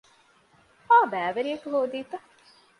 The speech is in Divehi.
އާ ބައިވެރިއަކު ހޯދީތަ؟